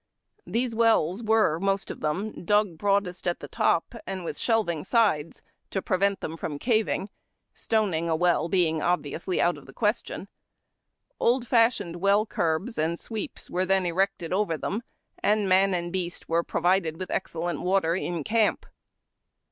Ihese wells were most of them dug broadest at the top and with shelving sides, to prevent them from caymg, ston ing a well being obviously out of the question. Old fashioned well curbs and sweeps were then erected over them, and man and beast were provided with excellent water in camp.